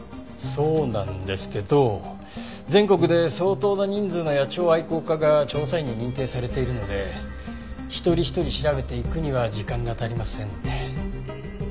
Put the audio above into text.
そうなんですけど全国で相当な人数の野鳥愛好家が調査員に認定されているので一人一人調べていくには時間が足りませんね。